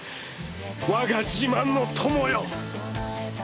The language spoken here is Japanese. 我が自慢の友よ。